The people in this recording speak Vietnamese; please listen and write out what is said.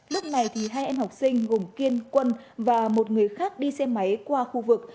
lúc này hai em học sinh gồm kiên quân và một người khác đi xe máy qua khu vực